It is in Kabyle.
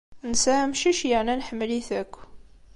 Nesɛa amcic yerna nḥemmel-it akk.